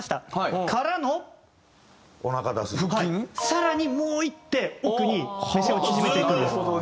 更にもう一手奥に目線を縮めていくんです。